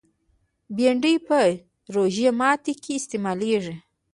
بېنډۍ په روژه ماتي کې استعمالېږي